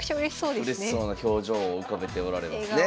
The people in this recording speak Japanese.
うれしそうな表情を浮かべておられますね。